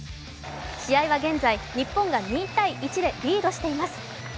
試合は現在、日本が２−１でリードしています。